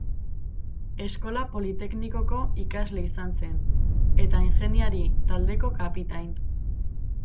Eskola Politeknikoko ikasle izan zen, eta ingeniari-taldeko kapitain.